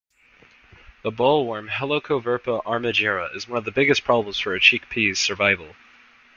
The bollworm "Helicoverpa armigera" is one of the biggest problems for a chickpea's survival.